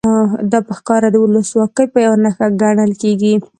دا په ښکاره د ولسواکۍ یوه نښه ګڼل کېږي.